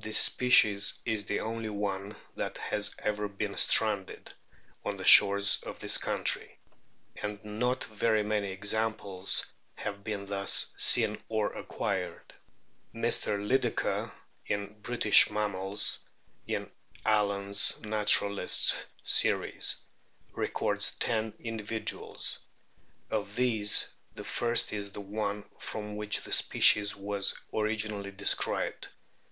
This species is the only one that has ever been stranded on the shores of this country ; and not very many examples have been thus seen or acquired. Mr. Lydekker, in British Mammals, in "Allen's Naturalists' Series," records ten individuals. Of these the first is the one from which the species was originally described.